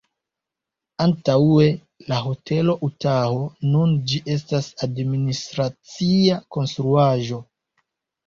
Antaŭe la Hotelo Utaho, nun ĝi estas administracia konstruaĵo.